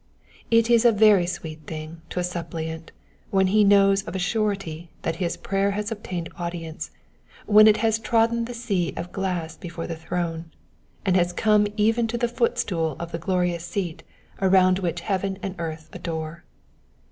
It is a very sweet thing to a suppliant when he knows of a surety that his prayer has obtained audience, when it has trodden the sea of glass before the throne, and has come even to the footstool of the glorious seat around which heaven and earth adore.